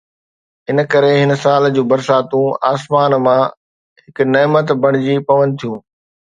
ان ڪري هن سال جون برساتون آسمان مان هڪ نعمت بڻجي پون ٿيون.